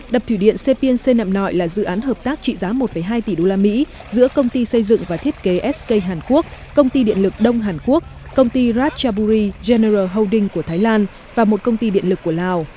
đập thủy điện sepien se nậm nội là dự án hợp tác trị giá một hai tỷ usd giữa công ty xây dựng và thiết kế sk hàn quốc công ty điện lực đông hàn quốc công ty radchaburi general houding của thái lan và một công ty điện lực của lào